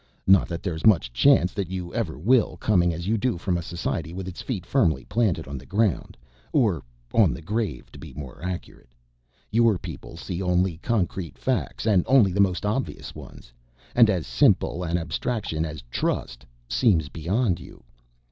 "Not that there is much chance that you ever will coming as you do from a society with its feet firmly planted on the ground, or on the grave to be more accurate. Your people see only concrete facts, and only the most obvious ones, and as simple an abstraction as 'trust' seems beyond you.